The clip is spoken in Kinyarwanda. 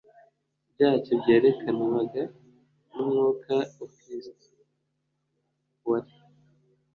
byacyo byerekanwaga n Umwuka wa Kristo wari